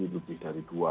lebih dari dua